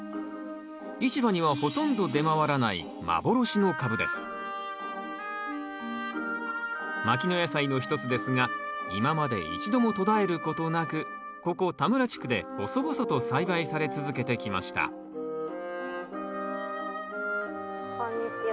市場にはほとんど出回らない牧野野菜の一つですが今まで一度も途絶えることなくここ田村地区で細々と栽培され続けてきましたこんにちは。